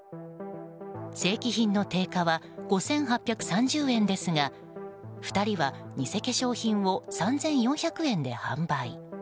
正規品の定価は５８３０円ですが２人は偽化粧品を３４００円で販売。